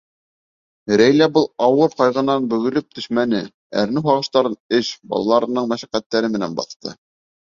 Рәйлә был ауыр ҡайғынан бөгөлөп төшмәне, әрнеү-һағыштарын эш, балаларының мәшәҡәттәре менән баҫты.